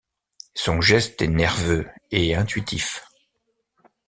Son geste est nerveux et intuitif.